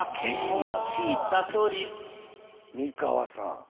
美川さん。